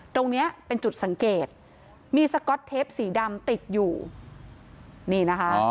ตรงเนี้ยเป็นจุดสังเกตมีสก๊อตเทปสีดำติดอยู่นี่นะคะ